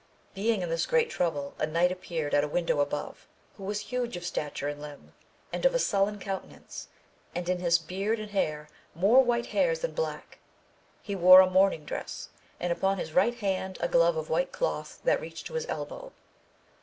Being in this great trouble a knight appeared at a window above, who was huge of stature and limb, and of a sullen countenance, and in his beard and hair more white hairs than black; he wore a mourning dress, and upon his right hand a glove of white cloth that reached to his elbow.